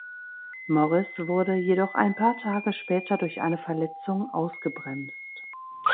Morris wurde jedoch ein paar Tage später durch eine Verletzung ausgebremst.